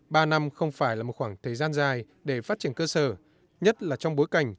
ba năm không phải là một khoảng thời gian dài để phát triển cơ sở nhất là trong bối cảnh